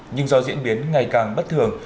nhưng do diễn biến ngày càng bất thường